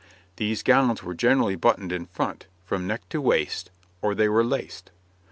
These gowns were generally buttoned in front, from neck to waist, or they were laced.